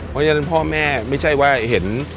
เพราะฉะนั้นพ่อแม่ไม่ใช่ว่าเห็น